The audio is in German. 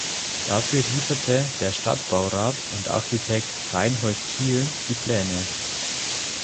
Dafür lieferte der Stadtbaurat und Architekt Reinhold Kiehl die Pläne.